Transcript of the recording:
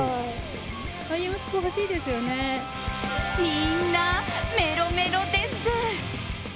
みんなメロメロです。